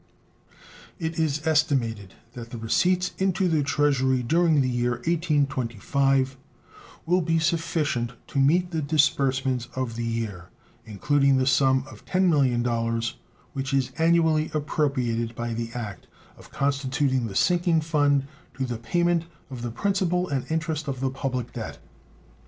It is estimated that the receipts into the Treasury during the year 1825 will be sufficient to meet the disbursements of the year, including the sum of $10 millions, which is annually appropriated by the act of constituting the sinking fund to the payment of the principal and interest of the public debt.